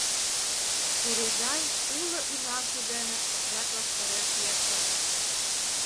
Березай уло ӱнарже дене отряд ваштареш лектын.